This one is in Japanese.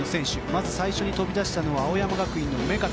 まず最初に飛び出したのは青山学院大学の根方。